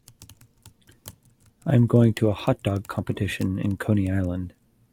I am going to a hotdog competition in Coney Island.